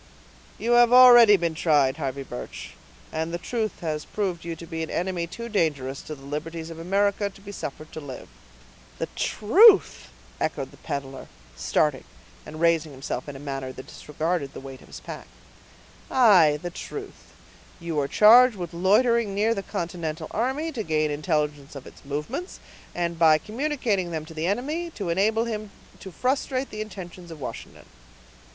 "You have already been tried, Harvey Birch; and the truth has proved you to be an enemy too dangerous to the liberties of America to be suffered to live." "The truth!" echoed the peddler, starting, and raising himself in a manner that disregarded the weight of his pack. "Aye! the truth; you are charged with loitering near the continental army, to gain intelligence of its movements, and, by communicating them to the enemy, to enable him to frustrate the intentions of Washington."